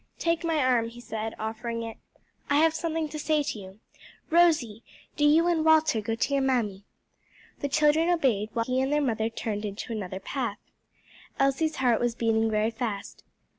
"Take my arm," he said, offering it. "I have something to say to you. Rosie, do you and Walter go to your mammy." The children obeyed, while he and their mother turned into another path. Elsie's heart was beating very fast.